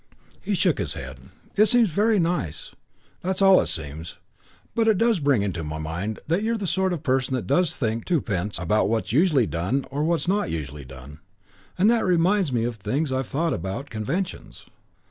He shook his head. "It seems very nice. That's all it seems. But it does bring into my mind that you're the sort of person that doesn't think tuppence about what's usually done or what's not usually done; and that reminded me of things I've thought about conventions.